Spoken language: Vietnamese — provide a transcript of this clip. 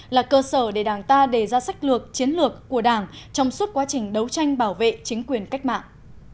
là cơ sở để đảng ta đề ra sách lược chiến lược của đảng trong suốt quá trình đấu tranh bảo vệ chính quyền cách mạng